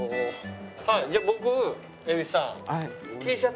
じゃあ僕蛭子さん。